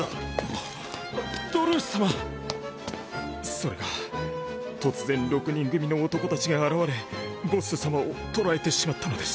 それが突然６人組の男たちが現れボッス様を捕らえてしまったのです。